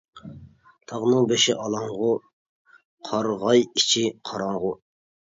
تاغنىڭ بېشى ئالاڭغۇ، قارىغاي ئىچى قاراڭغۇ.